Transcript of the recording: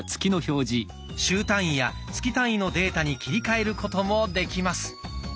週単位や月単位のデータに切り替えることもできます。